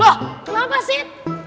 wah kenapa sih